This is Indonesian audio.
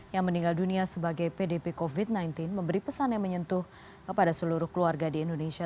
yang meninggal dunia sebagai pdp covid sembilan belas memberi pesan yang menyentuh kepada seluruh keluarga di indonesia